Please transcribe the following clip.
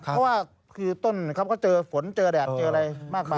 เพราะว่าคือต้นเขาก็เจอฝนเจอแดดเจออะไรมากมาย